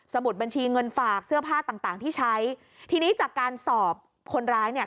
มุดบัญชีเงินฝากเสื้อผ้าต่างต่างที่ใช้ทีนี้จากการสอบคนร้ายเนี่ย